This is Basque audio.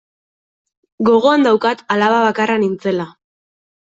Gogoan daukat alaba bakarra nintzela.